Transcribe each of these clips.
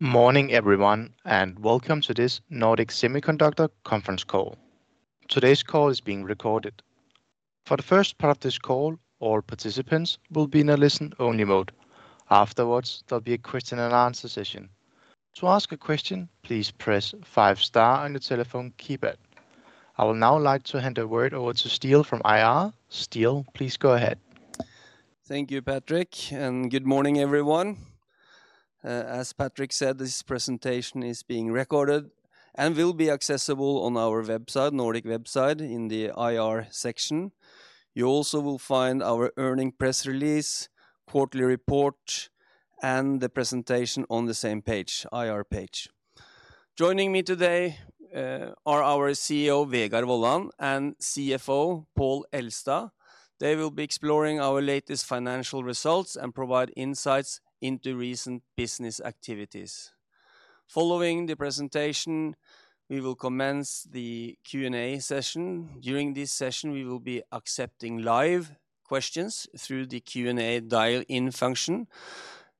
Morning everyone, and welcome to this Nordic Semiconductor Conference Call. Today's call is being recorded. For the first part of this call, all participants will be in a listen-only mode. Afterwards, there'll be a question and answer session. To ask a question, please press five star on your telephone keypad. I will now like to hand the word over to Ståle from IR. Ståle, please go ahead. Thank you, Patrick, and good morning, everyone. As Patrick said, this presentation is being recorded and will be accessible on our website, Nordic website, in the IR section. You also will find our earnings press release, quarterly report, and the presentation on the same page, IR page. Joining me today are our CEO, Vegard Wollan, and CFO, Pål Elstad. They will be exploring our latest financial results and provide insights into recent business activities. Following the presentation, we will commence the Q&A session. During this session, we will be accepting live questions through the Q&A dial-in function.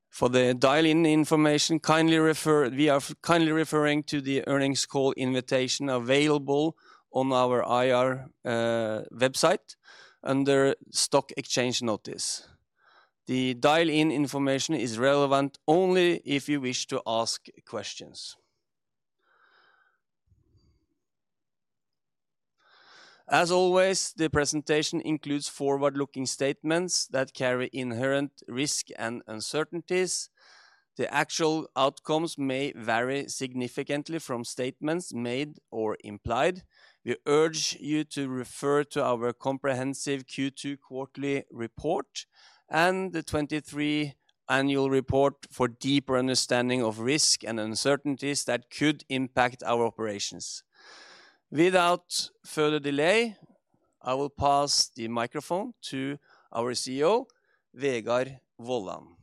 For the dial-in information, we are kindly referring to the earnings call invitation available on our IR website under stock exchange notice. The dial-in information is relevant only if you wish to ask questions. As always, the presentation includes forward-looking statements that carry inherent risk and uncertainties. The actual outcomes may vary significantly from statements made or implied. We urge you to refer to our comprehensive Q2 quarterly report and the 2023 annual report for deeper understanding of risk and uncertainties that could impact our operations. Without further delay, I will pass the microphone to our CEO, Vegard Wollan.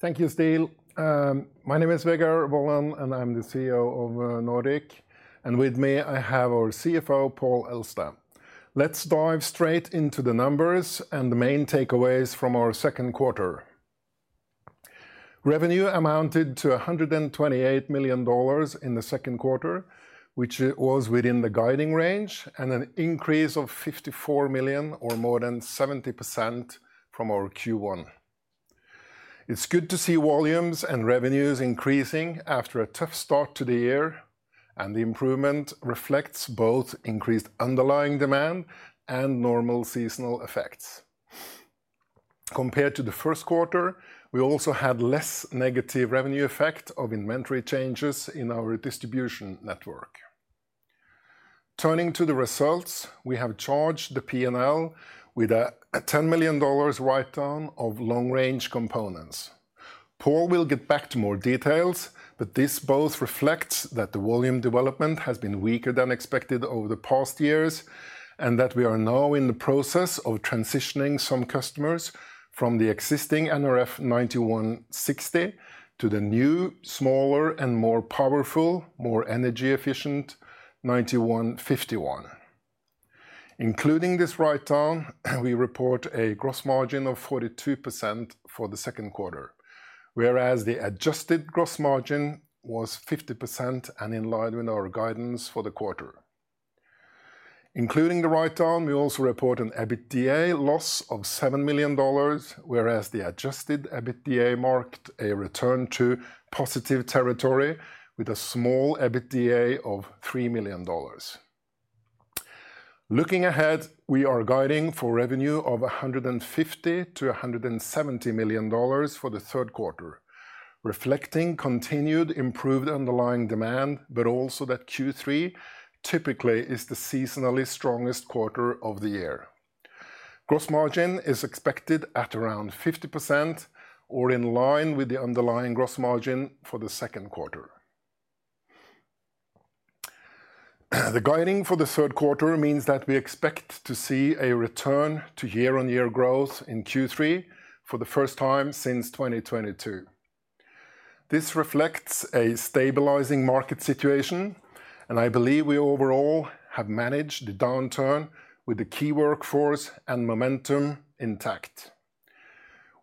Thank you, Ståle. My name is Vegard Wollan, and I'm the CEO of Nordic, and with me, I have our CFO, Pål Elstad. Let's dive straight into the numbers and the main takeaways from our second quarter. Revenue amounted to $128 million in the second quarter, which was within the guiding range, and an increase of $54 million, or more than 70% from our Q1. It's good to see volumes and revenues increasing after a tough start to the year, and the improvement reflects both increased underlying demand and normal seasonal effects. Compared to the first quarter, we also had less negative revenue effect of inventory changes in our distribution network. Turning to the results, we have charged the P&L with a $10 million write-down of long-range components. Pål will get back to more details, but this both reflects that the volume development has been weaker than expected over the past years, and that we are now in the process of transitioning some customers from the existing nRF9160 to the new, smaller and more powerful, more energy-efficient 9151. Including this write-down, we report a gross margin of 42% for the second quarter, whereas the adjusted gross margin was 50% and in line with our guidance for the quarter. Including the write-down, we also report an EBITDA loss of $7 million, whereas the adjusted EBITDA marked a return to positive territory with a small EBITDA of $3 million. Looking ahead, we are guiding for revenue of $150 million-$170 million for the third quarter, reflecting continued improved underlying demand, but also that Q3 typically is the seasonally strongest quarter of the year. Gross margin is expected at around 50% or in line with the underlying gross margin for the second quarter. The guiding for the third quarter means that we expect to see a return to year-on-year growth in Q3 for the first time since 2022. This reflects a stabilizing market situation, and I believe we overall have managed the downturn with the key workforce and momentum intact.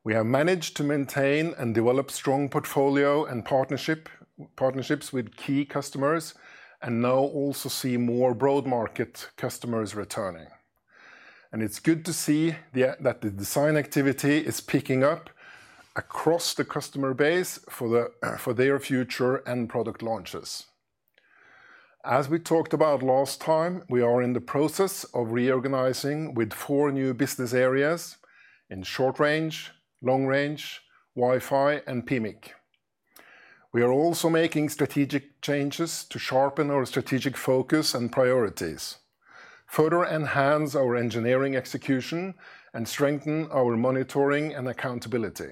We have managed to maintain and develop strong portfolio and partnership, partnerships with key customers and now also see more broad market customers returning. It's good to see that the design activity is picking up across the customer base for their future and product launches. As we talked about last time, we are in the process of reorganizing with four new business areas in short range, long range, Wi-Fi, and PMIC. We are also making strategic changes to sharpen our strategic focus and priorities, further enhance our engineering execution, and strengthen our monitoring and accountability.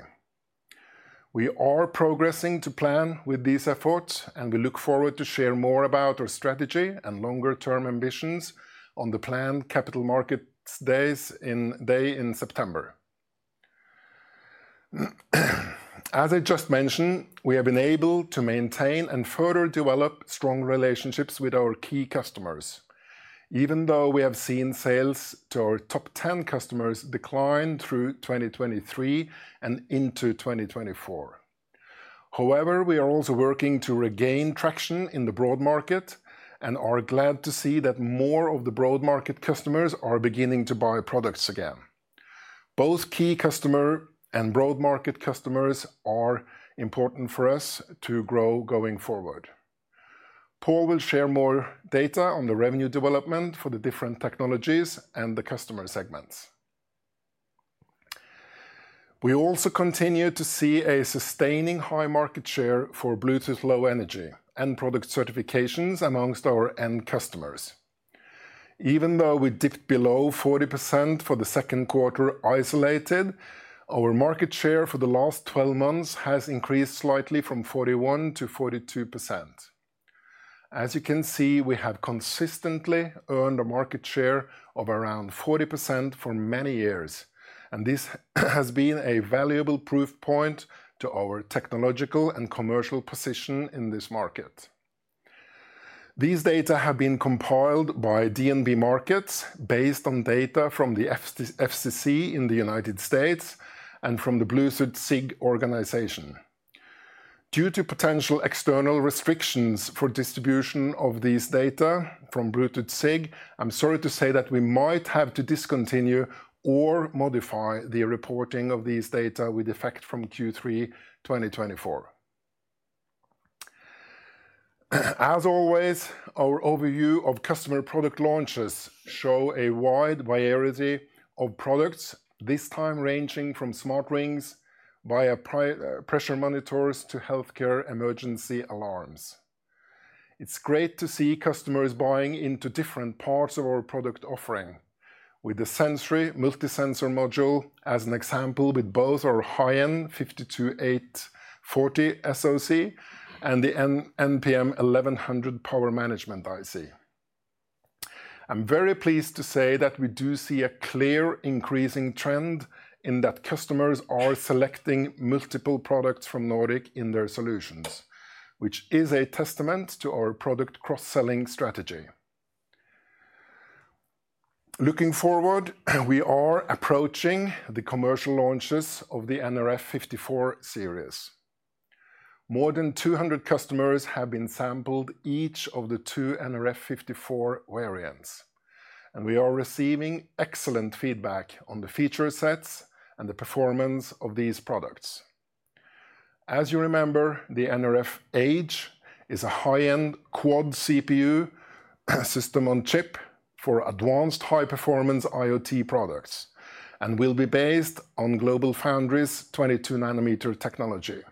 We are progressing to plan with these efforts, and we look forward to share more about our strategy and longer-term ambitions on the planned capital markets day in September. As I just mentioned, we have been able to maintain and further develop strong relationships with our key customers, even though we have seen sales to our top ten customers decline through 2023 and into 2024. However, we are also working to regain traction in the broad market and are glad to see that more of the broad market customers are beginning to buy products again. Both key customer and broad market customers are important for us to grow going forward. Pål will share more data on the revenue development for the different technologies and the customer segments. We also continue to see a sustaining high market share for Bluetooth Low Energy end product certifications amongst our end customers. Even though we dipped below 40% for the second quarter isolated, our market share for the last 12 months has increased slightly from 41% to 42%. As you can see, we have consistently earned a market share of around 40% for many years, and this has been a valuable proof point to our technological and commercial position in this market. These data have been compiled by DNB Markets, based on data from the FCC in the United States and from the Bluetooth SIG organization. Due to potential external restrictions for distribution of these data from Bluetooth SIG, I'm sorry to say that we might have to discontinue or modify the reporting of these data with effect from Q3 2024. As always, our overview of customer product launches show a wide variety of products, this time ranging from smart rings via pressure monitors to healthcare emergency alarms. It's great to see customers buying into different parts of our product offering, with the Sensry multi-sensor module, as an example, with both our high-end nRF52840 SoC and the nPM1100 power management IC. I'm very pleased to say that we do see a clear increasing trend in that customers are selecting multiple products from Nordic in their solutions, which is a testament to our product cross-selling strategy. Looking forward, we are approaching the commercial launches of the nRF54 Series. More than 200 customers have been sampled each of the two nRF54 variants, and we are receiving excellent feedback on the feature sets and the performance of these products. As you remember, the nRF54H is a high-end quad CPU system-on-chip for advanced high-performance IoT products and will be based on GlobalFoundries' 22-nanometer technology.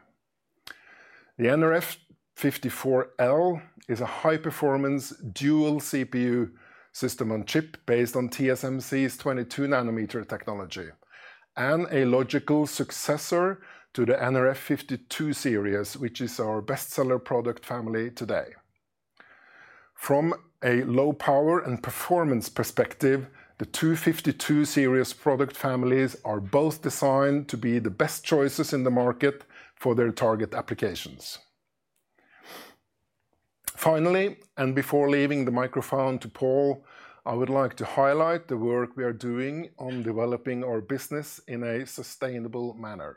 The nRF54L is a high-performance dual CPU system-on-chip based on TSMC's 22-nanometer technology, and a logical successor to the nRF52 Series, which is our bestseller product family today. From a low power and performance perspective, the two nRF54 series product families are both designed to be the best choices in the market for their target applications. Finally, and before leaving the microphone to Pål, I would like to highlight the work we are doing on developing our business in a sustainable manner.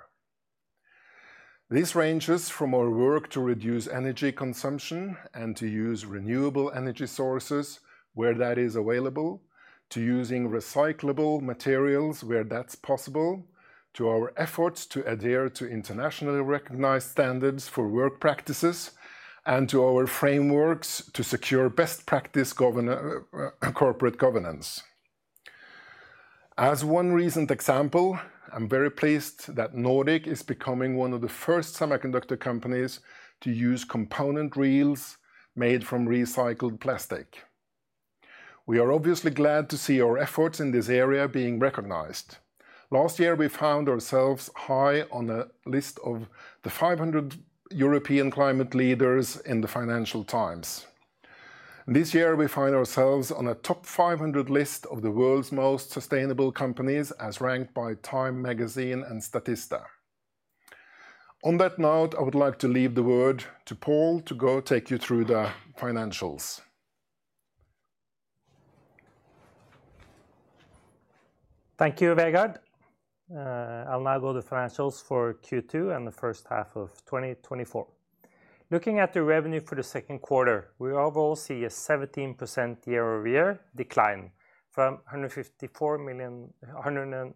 This ranges from our work to reduce energy consumption and to use renewable energy sources where that is available, to using recyclable materials where that's possible, to our efforts to adhere to internationally recognized standards for work practices, and to our frameworks to secure best practice corporate governance. As one recent example, I'm very pleased that Nordic is becoming one of the first semiconductor companies to use component reels made from recycled plastic. We are obviously glad to see our efforts in this area being recognized. Last year, we found ourselves high on the list of the 500 European climate leaders in the Financial Times. This year, we find ourselves on a top 500 list of the world's most sustainable companies, as ranked by Time Magazine and Statista. On that note, I would like to leave the word to Pål to go take you through the financials. Thank you, Vegard. I'll now go the financials for Q2 and the first half of 2024. Looking at the revenue for the second quarter, we overall see a 17% year-over-year decline from $154 million, $154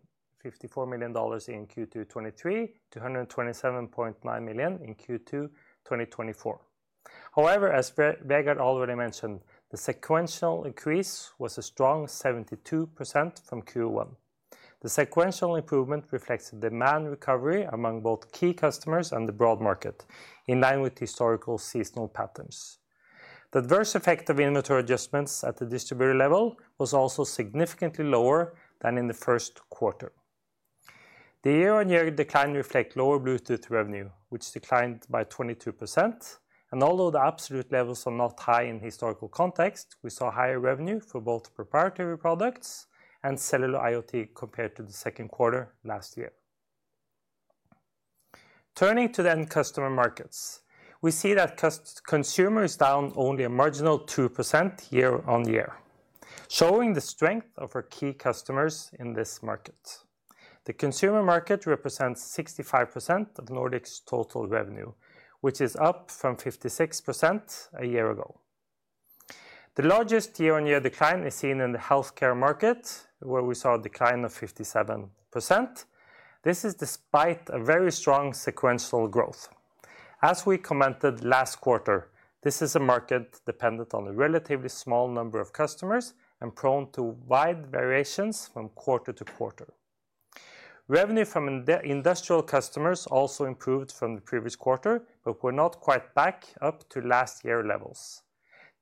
million in Q2 2023 to $127.9 million in Q2 2024. However, as Vegard already mentioned, the sequential increase was a strong 72% from Q1. The sequential improvement reflects demand recovery among both key customers and the broad market, in line with historical seasonal patterns. The adverse effect of inventory adjustments at the distributor level was also significantly lower than in the first quarter. The year-over-year decline reflect lower Bluetooth revenue, which declined by 22%. Although the absolute levels are not high in historical context, we saw higher revenue for both proprietary products and cellular IoT compared to the second quarter last year. Turning to the end customer markets, we see that consumer is down only a marginal 2% year-on-year, showing the strength of our key customers in this market. The consumer market represents 65% of Nordic's total revenue, which is up from 56% a year ago. The largest year-on-year decline is seen in the healthcare market, where we saw a decline of 57%. This is despite a very strong sequential growth. As we commented last quarter, this is a market dependent on a relatively small number of customers and prone to wide variations from quarter to quarter. Revenue from industrial customers also improved from the previous quarter, but we're not quite back up to last year levels.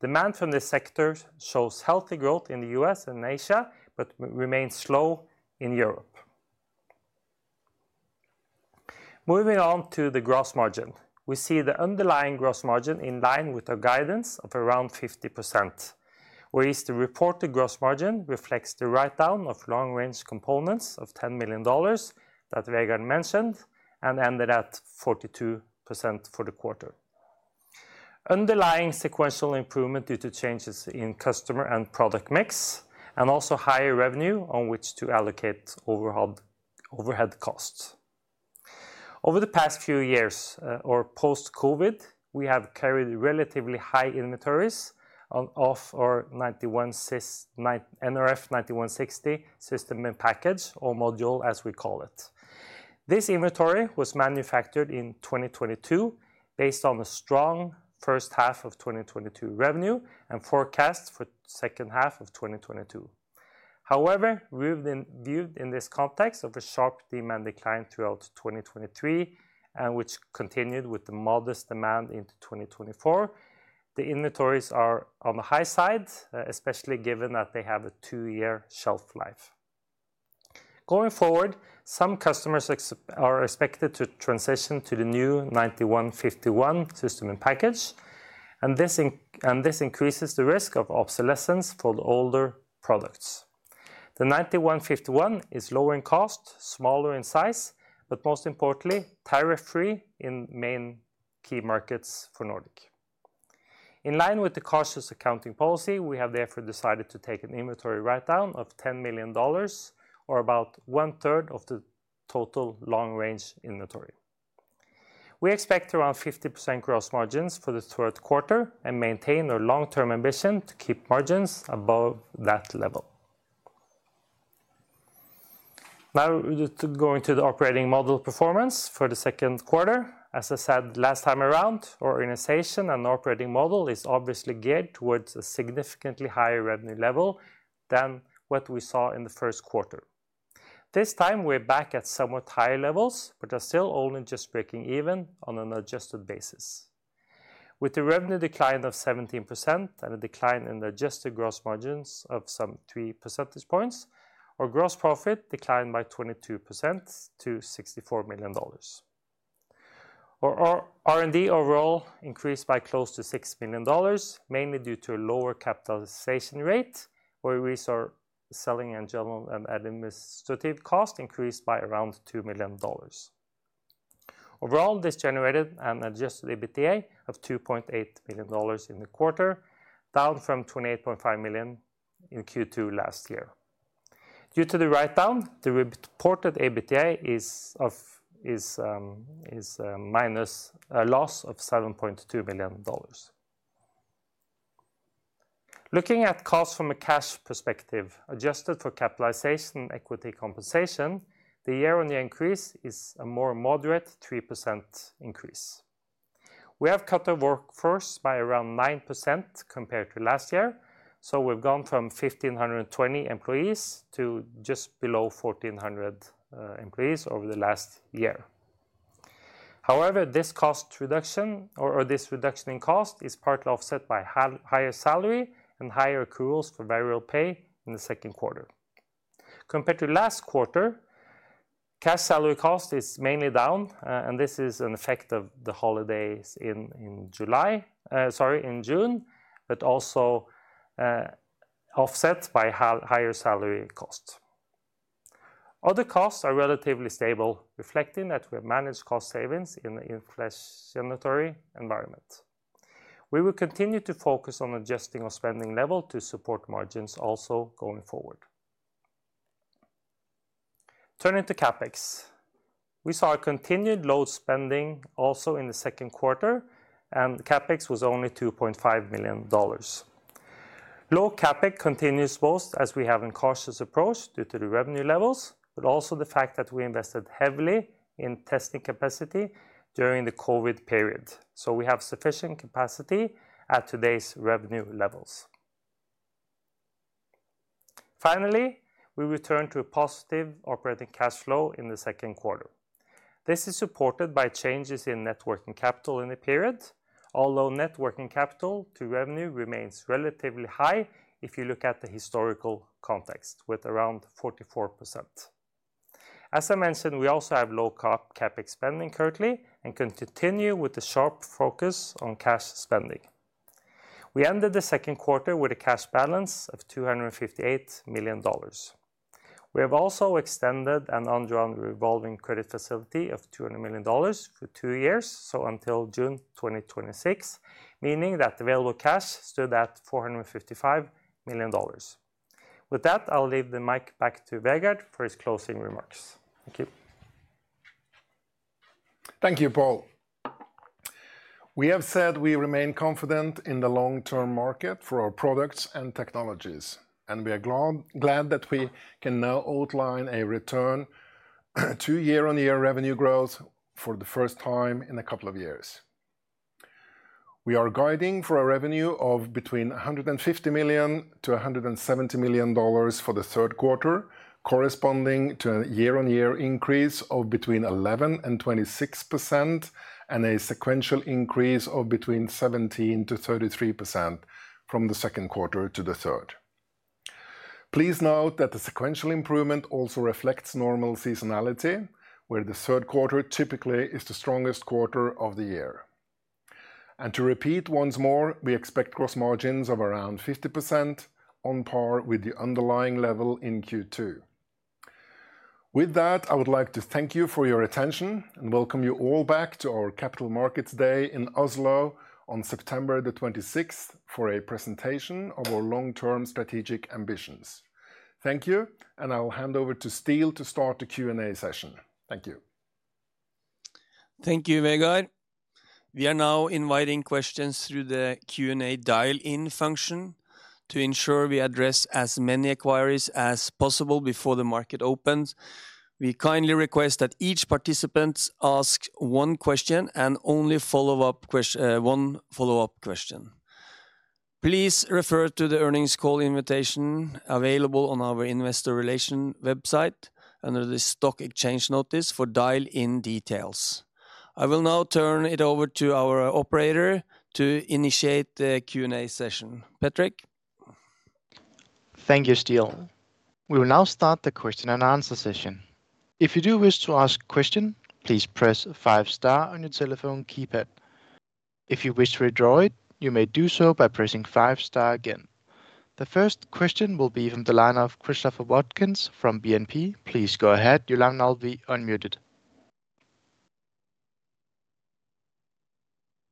Demand from this sector shows healthy growth in the U.S. and Asia, but remains slow in Europe. Moving on to the gross margin. We see the underlying gross margin in line with our guidance of around 50%, whereas the reported gross margin reflects the write-down of long-range components of $10 million that Vegard mentioned and ended at 42% for the quarter. Underlying sequential improvement due to changes in customer and product mix, and also higher revenue on which to allocate overhead, overhead costs. Over the past few years, or post-COVID, we have carried relatively high inventories on of our nRF9160 system-in-package, or module, as we call it. This inventory was manufactured in 2022, based on a strong first half of 2022 revenue and forecast for second half of 2022. However, we've been viewed in this context of a sharp demand decline throughout 2023, and which continued with the modest demand into 2024. The inventories are on the high side, especially given that they have a two-year shelf life. Going forward, some customers are expected to transition to the new 9151 system-in-package, and this increases the risk of obsolescence for the older products. The 9151 is lower in cost, smaller in size, but most importantly, tariff-free in main key markets for Nordic. In line with the cautious accounting policy, we have therefore decided to take an inventory write-down of $10 million, or about one-third of the total long-range inventory. We expect around 50% gross margins for the third quarter and maintain our long-term ambition to keep margins above that level. Now, to go into the operating model performance for the second quarter. As I said last time around, our organization and operating model is obviously geared towards a significantly higher revenue level than what we saw in the first quarter. This time, we're back at somewhat higher levels, but are still only just breaking even on an adjusted basis. With a revenue decline of 17% and a decline in the adjusted gross margins of some 3 percentage points, our gross profit declined by 22% to $64 million. Our R&D overall increased by close to $6 million, mainly due to a lower capitalization rate, where we saw selling and general and administrative cost increased by around $2 million. Overall, this generated an adjusted EBITDA of $2.8 billion in the quarter, down from $28.5 million in Q2 last year. Due to the write-down, the reported EBITDA is minus a loss of $7.2 million. Looking at costs from a cash perspective, adjusted for capitalization equity compensation, the year-on-year increase is a more moderate 3% increase. We have cut our workforce by around 9% compared to last year, so we've gone from 1,520 employees to just below 1,400 employees over the last year. However, this cost reduction, or this reduction in cost is partly offset by higher salary and higher accruals for variable pay in the second quarter. Compared to last quarter, cash salary cost is mainly down, and this is an effect of the holidays in June, but also offset by higher salary cost. Other costs are relatively stable, reflecting that we have managed cost savings in the inflationary environment. We will continue to focus on adjusting our spending level to support margins also going forward. Turning to CapEx. We saw a continued low spending also in the second quarter, and the CapEx was only $2.5 million. Low CapEx continues both as we have a cautious approach due to the revenue levels, but also the fact that we invested heavily in testing capacity during the COVID period. So we have sufficient capacity at today's revenue levels. Finally, we return to a positive operating cash flow in the second quarter. This is supported by changes in net working capital in the period, although net working capital to revenue remains relatively high if you look at the historical context, with around 44%. As I mentioned, we also have low CapEx spending currently and continue with the sharp focus on cash spending. We ended the second quarter with a cash balance of $258 million. We have also extended an undrawn revolving credit facility of $200 million for two years, so until June 2026, meaning that available cash stood at $455 million. With that, I'll leave the mic back to Vegard for his closing remarks. Thank you. Thank you, Pål. We have said we remain confident in the long-term market for our products and technologies, and we are glad, glad that we can now outline a return to year-on-year revenue growth for the first time in a couple of years. We are guiding for a revenue of between $150 million to $170 million for the third quarter, corresponding to a year-on-year increase of between 11% and 26%, and a sequential increase of between 17% to 33% from the second quarter to the third. Please note that the sequential improvement also reflects normal seasonality, where the third quarter typically is the strongest quarter of the year. To repeat once more, we expect gross margins of around 50% on par with the underlying level in Q2. With that, I would like to thank you for your attention and welcome you all back to our Capital Markets Day in Oslo on September the 26th for a presentation of our long-term strategic ambitions. Thank you, and I will hand over to Ståle to start the Q&A session. Thank you. Thank you, Vegard. We are now inviting questions through the Q&A dial-in function. To ensure we address as many inquiries as possible before the market opens, we kindly request that each participant ask one question and only one follow-up question. Please refer to the earnings call invitation available on our investor relations website under the stock exchange notice for dial-in details. I will now turn it over to our operator to initiate the Q&A session. Patrick? Thank you, Ståle. We will now start the question and answer session. If you do wish to ask a question, please press five star on your telephone keypad. If you wish to withdraw it, you may do so by pressing five star again. The first question will be from the line of Christopher Watkins from BNP. Please go ahead. Your line now will be unmuted.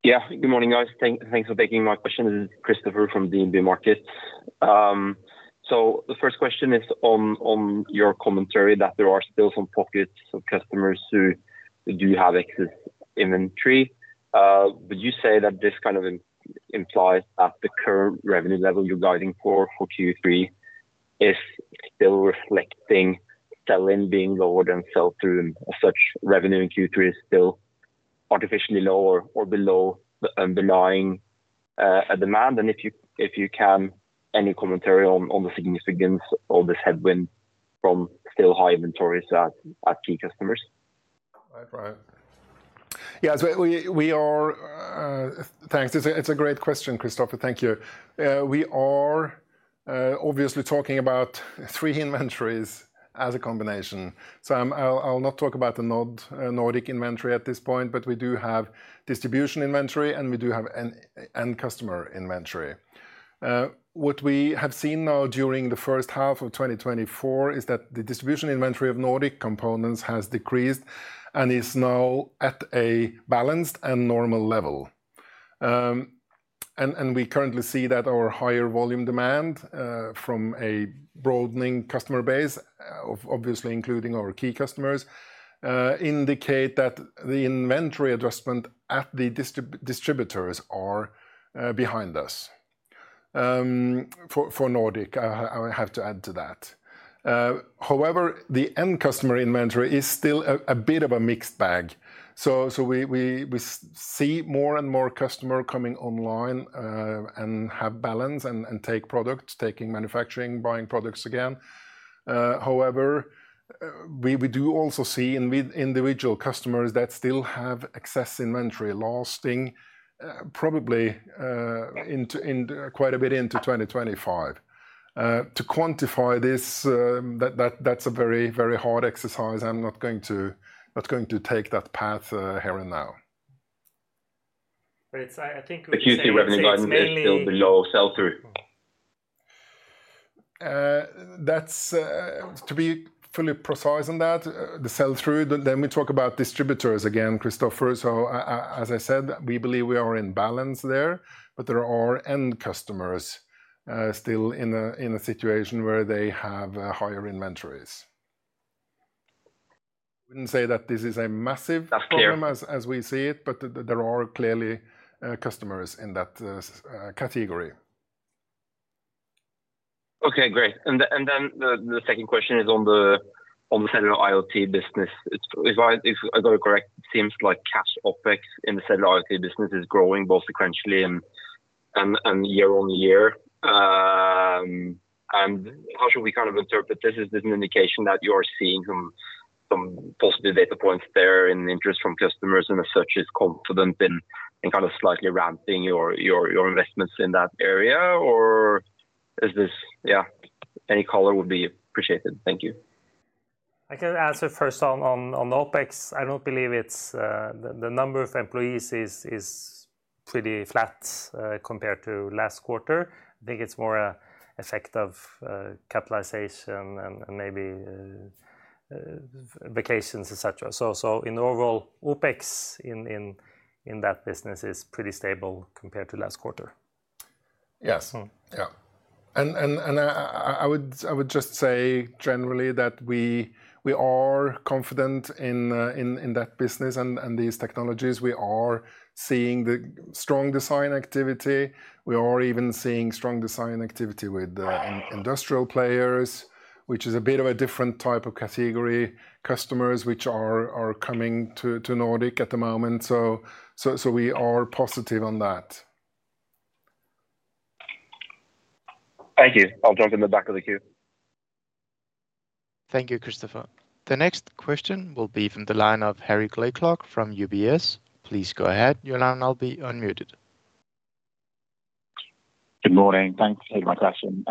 Yeah. Good morning, guys. Thanks for taking my question. This is Christopher from BNP Paribas. So the first question is on your commentary that there are still some pockets of customers who do have excess inventory. Would you say that this kind of implies that the current revenue level you're guiding for Q3 is still reflecting sell-in being lower than sell-through, and as such, revenue in Q3 is still artificially lower or below the underlying demand? And if you can, any commentary on the significance of this headwind from still high inventories at key customers? Right. Right. Yeah, so we, we are, thanks. It's a, it's a great question, Christopher. Thank you. We are obviously talking about three inventories as a combination, so I'll not talk about the Nordic inventory at this point, but we do have distribution inventory, and we do have an end customer inventory. What we have seen now during the first half of 2024 is that the distribution inventory of Nordic components has decreased and is now at a balanced and normal level. And we currently see that our higher volume demand from a broadening customer base of obviously including our key customers indicate that the inventory adjustment at the distributors are behind us. For Nordic, I have to add to that. However, the end customer inventory is still a bit of a mixed bag. So we see more and more customer coming online and have balance and take products, taking manufacturing, buying products again. However, we do also see individual customers that still have excess inventory lasting probably into quite a bit into 2025. To quantify this, that's a very, very hard exercise. I'm not going to take that path here and now. But it's. I think we've said it's mainly— The Q3 revenue guidance is still below sell-through? That's to be fully precise on that, the sell-through, then we talk about distributors again, Christopher. So as I said, we believe we are in balance there, but there are end customers still in a situation where they have higher inventories. I wouldn't say that this is a massive problem- That's clear As we see it, but there are clearly customers in that category. Okay, great. And then the second question is on the cellular IoT business. If I got it correct, it seems like cash OpEx in the cellular IoT business is growing, both sequentially and year on year. And how should we kind of interpret this? Is this an indication that you are seeing some positive data points there and interest from customers, and as such, is confident in kind of slightly ramping your investments in that area, or is this. Yeah, any color would be appreciated. Thank you. I can answer first on the OpEx. I don't believe it's the number of employees is pretty flat compared to last quarter. I think it's more a effect of capitalization and maybe vacations, et cetera. So in overall, OpEx in that business is pretty stable compared to last quarter. Yes. Mm. Yeah. And I would just say generally that we are confident in that business and these technologies. We are seeing the strong design activity. We are even seeing strong design activity with industrial players, which is a bit of a different type of category, customers which are coming to Nordic at the moment. So we are positive on that. Thank you. I'll jump in the back of the queue. Thank you, Christopher. The next question will be from the line of Harry Blaiklock from UBS. Please go ahead. Your line now will be unmuted. Good morning. Thanks for taking my question.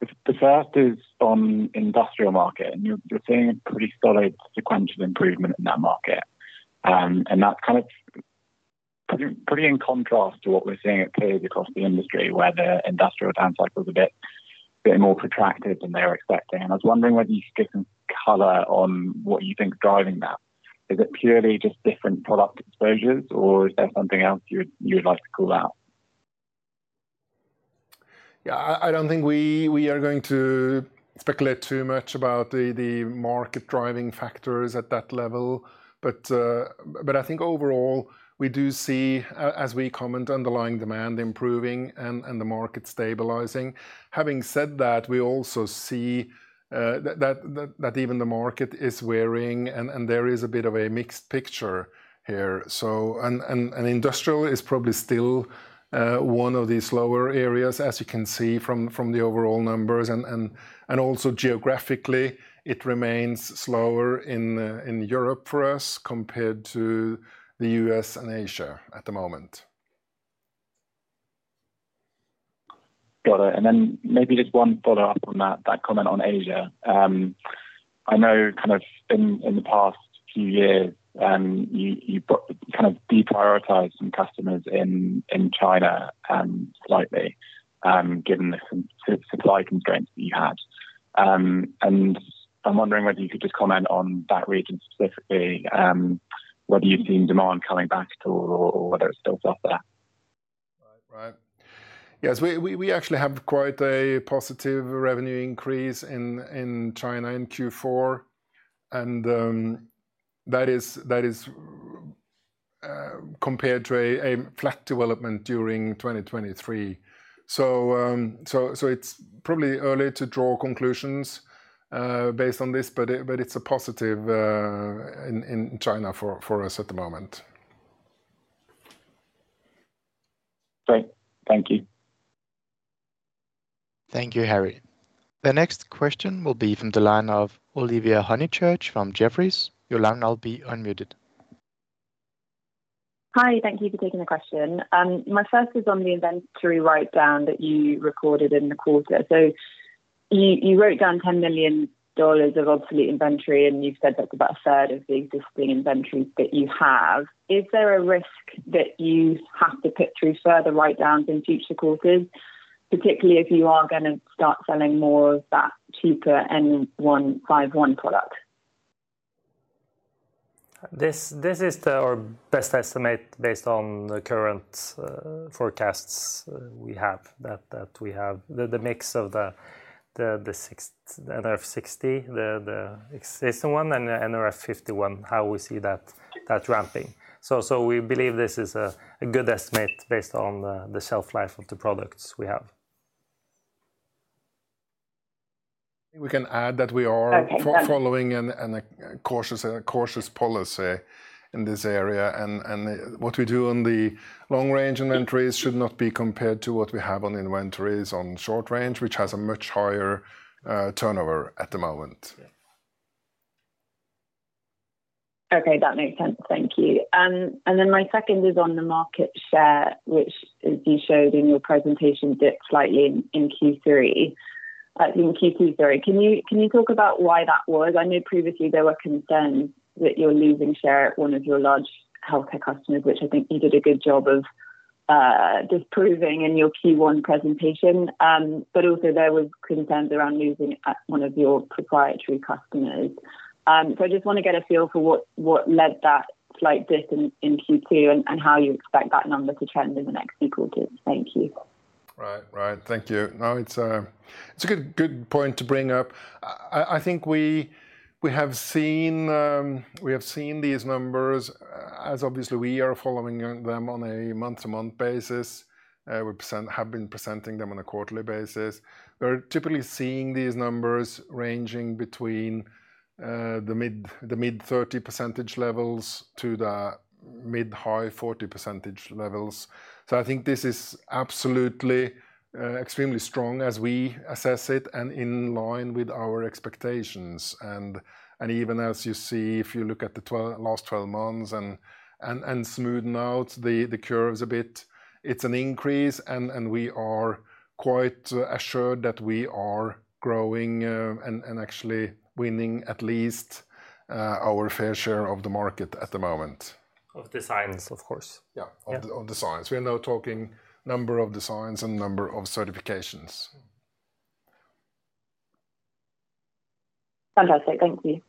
The first is on industrial market, and you're seeing a pretty solid sequential improvement in that market. And that's kind of pretty in contrast to what we're seeing at plays across the industry, where the industrial down cycle is a bit more protracted than they were expecting. I was wondering whether you could give some color on what you think is driving that. Is it purely just different product exposures, or is there something else you'd like to call out? Yeah, I don't think we are going to speculate too much about the market driving factors at that level. But I think overall, we do see, as we comment, underlying demand improving and the market stabilizing. Having said that, we also see that even the market is varying and there is a bit of a mixed picture here. So and industrial is probably still one of the slower areas, as you can see from the overall numbers, and also geographically, it remains slower in Europe for us, compared to the US and Asia at the moment. Got it. And then maybe just one follow-up on that, that comment on Asia. I know kind of in the past few years, you kind of deprioritized some customers in China, slightly, given the supply constraints that you had. And I'm wondering whether you could just comment on that region specifically, whether you've seen demand coming back at all or whether it's still soft there? Right. Right. Yes, we actually have quite a positive revenue increase in China in Q4, and that is compared to a flat development during 2023. So it's probably early to draw conclusions based on this, but it's a positive in China for us at the moment. Great. Thank you. Thank you, Harry. The next question will be from the line of Olivia Honychurch from Jefferies. Your line now will be unmuted. Hi, thank you for taking the question. My first is on the inventory write-down that you recorded in the quarter. So you, you wrote down $10 million of obsolete inventory, and you said that's about a third of the existing inventory that you have. Is there a risk that you have to put through further write-downs in future quarters, particularly if you are gonna start selling more of that cheaper nRF9151 product? This is the our best estimate based on the current forecasts we have, that we have. The mix of the nRF9160, the existing one, and the nRF9151, how we see that ramping. So we believe this is a good estimate based on the shelf life of the products we have. We can add that we are. Okay. Following a cautious policy in this area, and what we do on the long-range inventories should not be compared to what we have on inventories on short range, which has a much higher turnover at the moment. Yeah. Okay, that makes sense. Thank you. And then my second is on the market share, which, you showed in your presentation dip slightly in, in Q3, in Q2, sorry. Can you talk about why that was? I know previously there were concerns that you're losing share at one of your large healthcare customers, which I think you did a good job of, disproving in your Q1 presentation. But also there was concerns around losing one of your proprietary customers. So I just want to get a feel for what led that slight dip in Q2, and how you expect that number to trend in the next few quarters. Thank you. Right. Right. Thank you. No, it's a good, good point to bring up. I think we have seen these numbers, as obviously, we are following them on a month-to-month basis. We have been presenting them on a quarterly basis. We're typically seeing these numbers ranging between the mid-30% levels to the mid-high 40% levels. So I think this is absolutely extremely strong as we assess it and in line with our expectations. And even as you see, if you look at the last 12 months and smoothen out the curves a bit, it's an increase, and we are quite assured that we are growing and actually winning at least our fair share of the market at the moment. Of designs, of course. Yeah. Yeah. Of designs. We are now talking number of designs and number of certifications. Fantastic. Thank you.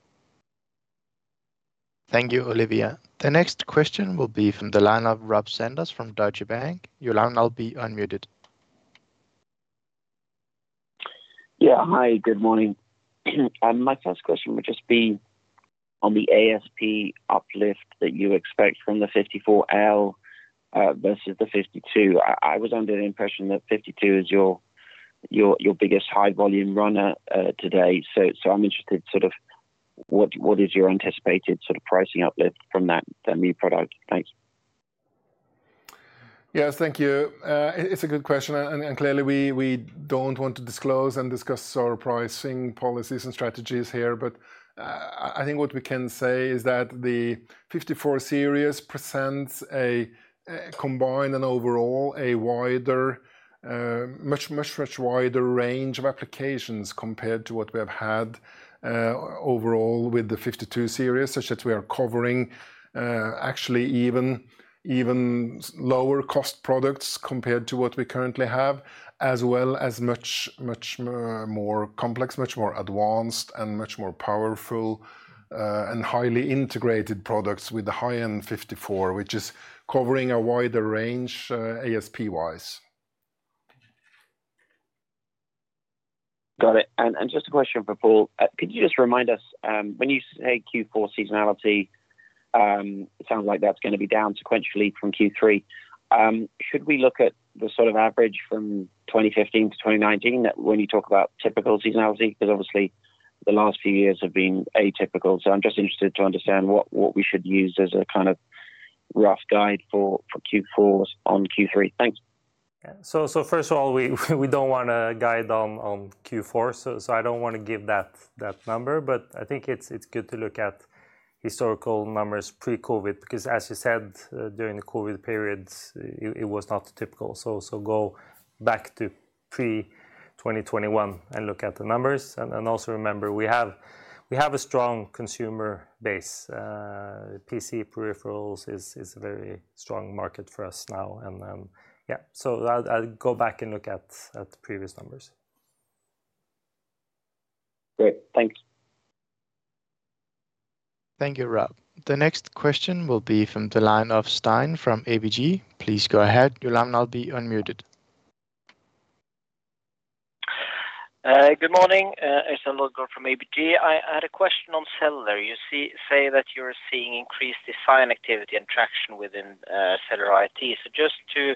Thank you, Olivia. The next question will be from the line of Rob Sanders from Deutsche Bank. Your line now will be unmuted. Yeah. Hi, good morning. My first question would just be on the ASP uplift that you expect from the 54L versus the 52. I, I was under the impression that 52 is your, your, your biggest high-volume runner today. So, so I'm interested, sort of, what, what is your anticipated sort of pricing uplift from that, that new product? Thanks. Yes, thank you. It's a good question, and clearly, we don't want to disclose and discuss our pricing policies and strategies here. But I think what we can say is that the nRF54 Series presents a combined and overall a wider, much, much, much wider range of applications compared to what we have had overall with the nRF52 Series, such that we are covering actually even lower-cost products compared to what we currently have, as well as much, much more complex, much more advanced, and much more powerful and highly integrated products with the high-end nRF54, which is covering a wider range ASP-wise. Got it. Just a question for Paul. Could you just remind us when you say Q4 seasonality, it sounds like that's gonna be down sequentially from Q3. Should we look at the sort of average from 2015 to 2019, that when you talk about typical seasonality? Because obviously, the last few years have been atypical, so I'm just interested to understand what we should use as a kind of rough guide for Q4 on Q3. Thanks. Yeah. So first of all, we don't wanna guide on Q4, so I don't wanna give that number. But I think it's good to look at historical numbers pre-COVID, because, as you said, during the COVID periods, it was not typical. So go back to pre-2021 and look at the numbers. And then, also remember, we have a strong consumer base. PC peripherals is a very strong market for us now, and, Yeah. So I'll go back and look at the previous numbers. Great. Thank you. Thank you, Rob. The next question will be from the line of Øystein from ABG. Please go ahead. Your line now will be unmuted. Good morning, it's Lodgaard from ABG. I had a question on cellular. You say that you're seeing increased design activity and traction within cellular IoT. So just to,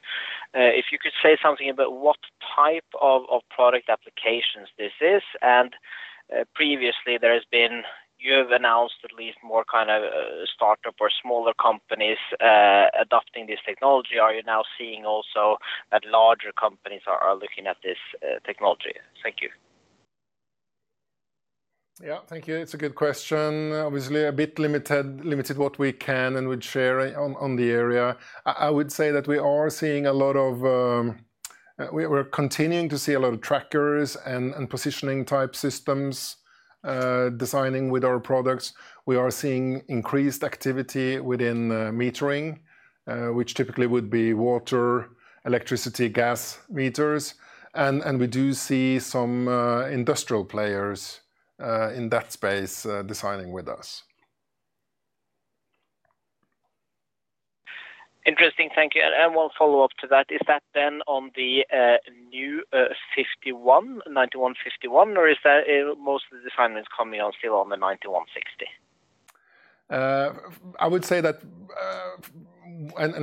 if you could say something about what type of product applications this is, and previously, you've announced at least more kind of startup or smaller companies adopting this technology. Are you now seeing also that larger companies are looking at this technology? Thank you. Yeah. Thank you. It's a good question. Obviously, a bit limited, limited what we can and would share on, on the area. I, I would say that we are seeing a lot of. We're, we're continuing to see a lot of trackers and, and positioning-type systems designing with our products. We are seeing increased activity within metering, which typically would be water, electricity, gas meters. And, and we do see some industrial players in that space designing with us. Interesting. Thank you. And one follow-up to that: is that then on the new nRF9151, or is that most of the design wins coming on still on the nRF9160? I would say that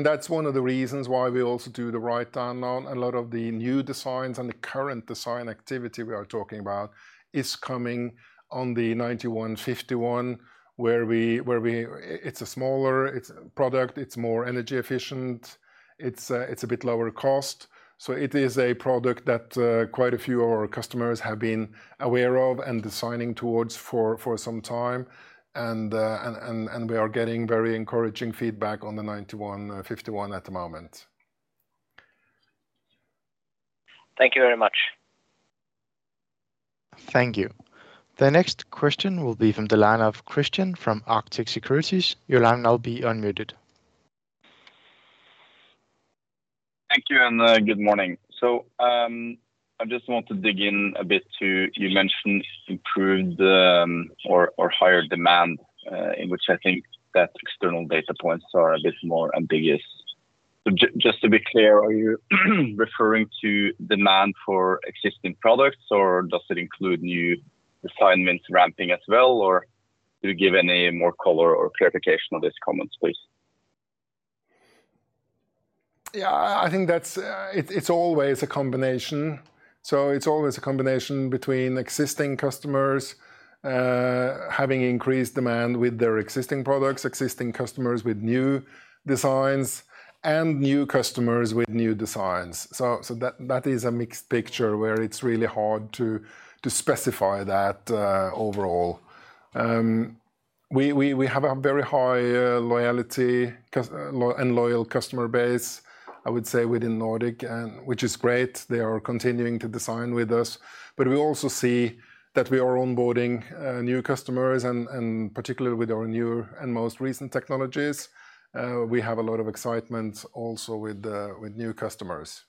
that's one of the reasons why we also do the write-down on a lot of the new designs and the current design activity we are talking about is coming on the nRF9151, where it's a smaller product, it's more energy efficient, it's a bit lower cost. So it is a product that quite a few of our customers have been aware of and designing towards for some time. And we are getting very encouraging feedback on the nRF9151 at the moment. Thank you very much. Thank you. The next question will be from the line of Christian from Arctic Securities. Your line now will be unmuted. Thank you, and, good morning. So, I just want to dig in a bit to, you mentioned improved, or, or higher demand, in which I think that external data points are a bit more ambiguous. So just to be clear, are you referring to demand for existing products, or does it include new design wins ramping as well? Or do you give any more color or clarification on these comments, please? Yeah, I think that's, It's always a combination. So it's always a combination between existing customers having increased demand with their existing products, existing customers with new designs, and new customers with new designs. So that is a mixed picture, where it's really hard to specify that overall. We have a very high loyalty and loyal customer base, I would say, within Nordic, and which is great. They are continuing to design with us. But we also see that we are onboarding new customers and particularly with our newer and most recent technologies. We have a lot of excitement also with new customers.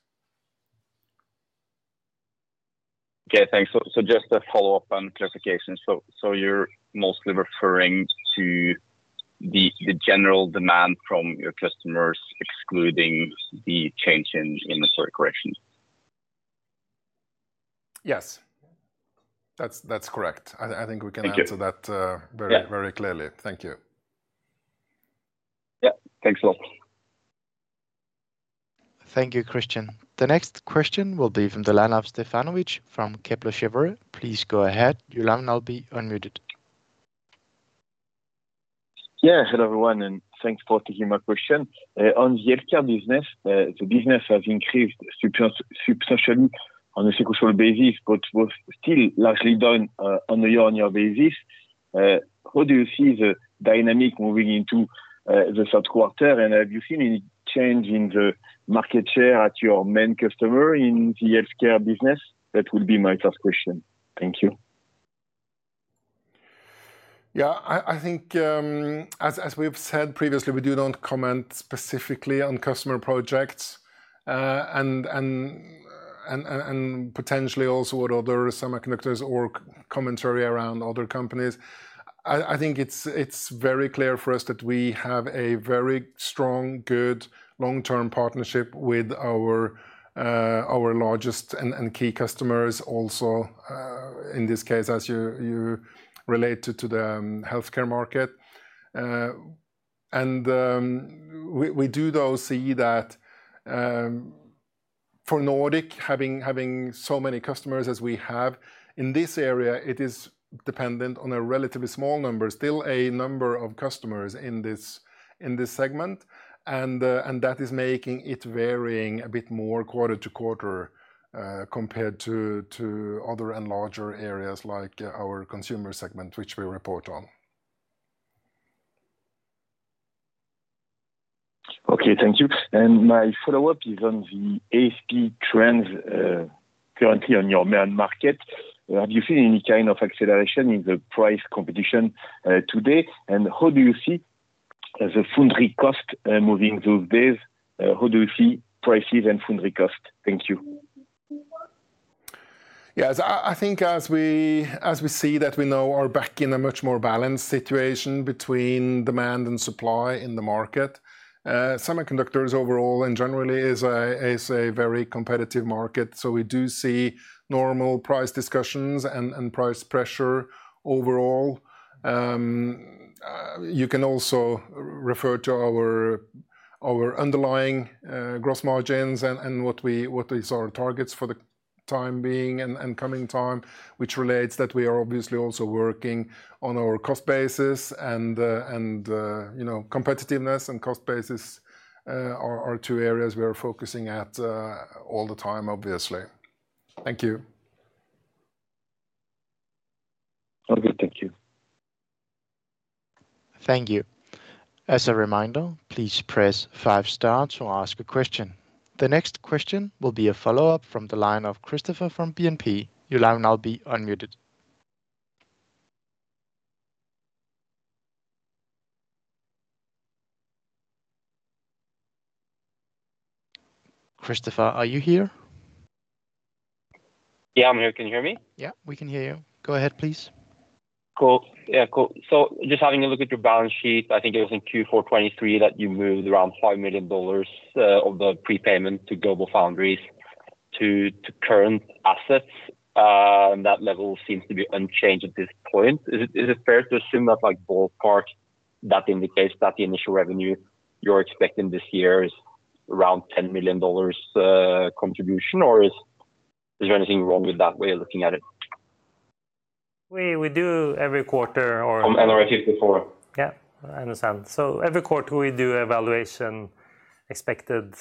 Okay, thanks. So just a follow-up and clarification. So you're mostly referring to the general demand from your customers, excluding the change in the stock corrections? Yes. That's correct. I think we can. Thank you answer that Yeah Very, very clearly. Thank you. Yeah. Thanks a lot. Thank you, Christian. The next question will be from the line of Sztabowicz from Kepler Cheuvreux. Please go ahead. Your line will now be unmuted. Yeah. Hello, everyone, and thanks for taking my question. On the healthcare business, the business has increased substantially on a sequential basis, but was still largely down on a year-on-year basis. How do you see the dynamic moving into the third quarter? And have you seen any change in the market share at your main customer in the healthcare business? That will be my first question. Thank you. Yeah, I, I think, as, as we've said previously, we do not comment specifically on customer projects. And potentially also with other semiconductors or commentary around other companies. I, I think it's, it's very clear for us that we have a very strong, good, long-term partnership with our, our largest and key customers also, in this case, as you, you relate to, to the healthcare market. And, we, we do though see that, for Nordic, having, having so many customers as we have in this area, it is dependent on a relatively small number, still a number of customers in this, in this segment. And that is making it varying a bit more quarter to quarter, compared to, to other and larger areas like our consumer segment, which we report on. Okay. Thank you. And my follow-up is on the ASP trends, currently on your main market. Have you seen any kind of acceleration in the price competition, today? And how do you see the foundry cost, moving these days? How do you see prices and foundry cost? Thank you. Yes. I think as we see that we now are back in a much more balanced situation between demand and supply in the market, semiconductors overall and generally is a very competitive market. So we do see normal price discussions and price pressure overall. You can also refer to our underlying gross margins and what is our targets for the time being and coming time, which relates that we are obviously also working on our cost basis and you know, competitiveness and cost basis are two areas we are focusing at all the time, obviously. Thank you. Okay. Thank you. Thank you. As a reminder, please press five stars to ask a question. The next question will be a follow-up from the line of Christopher from BNP. Your line now be unmuted. Christopher, are you here? Yeah, I'm here. Can you hear me? Yeah, we can hear you. Go ahead, please. Cool. Yeah, cool. So just having a look at your balance sheet, I think it was in Q4 2023 that you moved around $5 million of the prepayment to GlobalFoundries to current assets. And that level seems to be unchanged at this point. Is it fair to assume that, like, ballpark, that indicates that the initial revenue you're expecting this year is around $10 million contribution, or is, Is there anything wrong with that way of looking at it? We do every quarter or. On nRF54. Yeah, I understand. So every quarter we do evaluation expected,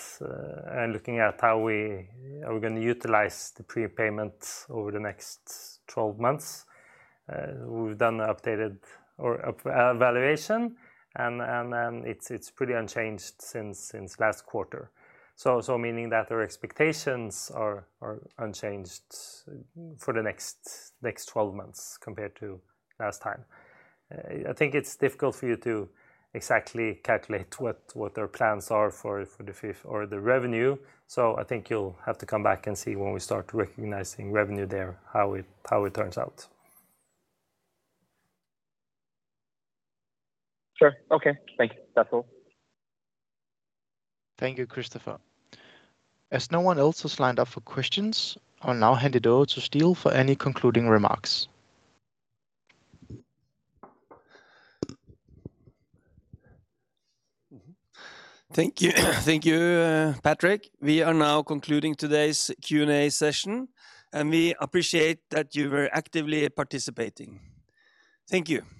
and looking at how we are gonna utilize the prepayment over the next 12 months. We've done an updated or a valuation, and, it's pretty unchanged since last quarter. So meaning that our expectations are unchanged for the next 12 months compared to last time. I think it's difficult for you to exactly calculate what our plans are for the fifth or the revenue. So I think you'll have to come back and see when we start recognizing revenue there, how it turns out. Sure. Okay. Thank you. That's all. Thank you, Christopher. As no one else is lined up for questions, I'll now hand it over to Ståle for any concluding remarks. Thank you. Thank you, Patrick. We are now concluding today's Q&A session, and we appreciate that you were actively participating. Thank you.